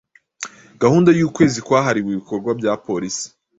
gahunda y’ukwezi kwahariwe ibikorwa bya Polisi